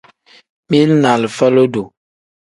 Mili ni alifa lodo.